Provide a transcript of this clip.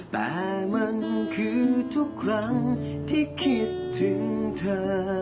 แต่มันคือทุกครั้งที่คิดถึงเธอ